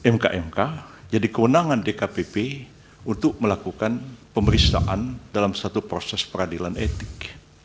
mk mk jadi kewenangan dkpp untuk melakukan pemeriksaan dalam satu proses peradilan etik